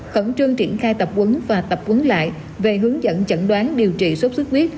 khẩn trương triển khai tập quấn và tập quấn lại về hướng dẫn chẩn đoán điều trị sốt xuất huyết